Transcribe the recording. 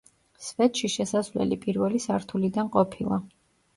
სვეტში შესასვლელი პირველი სართულიდან ყოფილა.